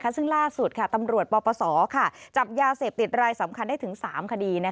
ซึ่งล่าสุดตำรวจปปศจับยาเสพติดรายสำคัญได้ถึง๓คดี